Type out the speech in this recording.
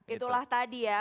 itulah tadi ya